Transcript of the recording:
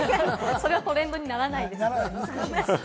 トレンドにならないです。